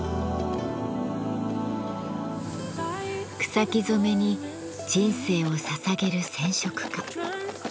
草木染めに人生をささげる染織家。